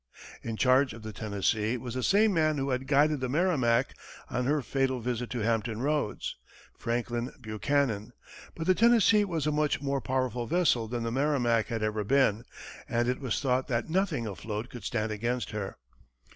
In charge of the Tennessee was the same man who had guided the Merrimac on her fatal visit to Hampton Roads, Franklin Buchanan, but the Tennessee was a much more powerful vessel than the Merrimac had ever been, and it was thought that nothing afloat could stand against her.